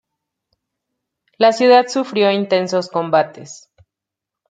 La ciudad sufrió intensos combates.